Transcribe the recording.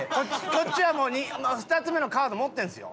こっちはもう２つ目のカード持ってるんですよ。